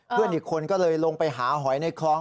เพื่อนอีกคนก็เลยลงไปหาหอยในคลอง